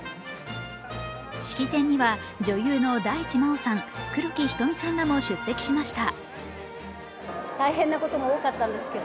式典には女優の大地真央さん黒木瞳さんらも出席しました。